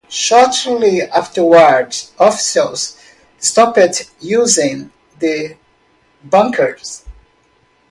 Shortly afterward, officials stopped using the bunker.